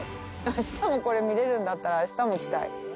あしたも、これ、見れるんだったら、あしたも来たい。